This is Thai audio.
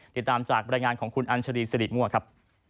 ติดตามจากบรรยายงานของคุณอัญชรีสิริมั่วครับ